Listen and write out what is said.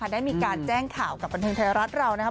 ได้มีการแจ้งข่าวกับบันเทิงไทยรัฐเรานะครับ